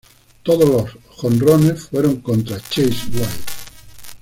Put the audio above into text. Todos los jonrones fueron contra "Chase Wright".